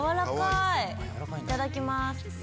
いただきます。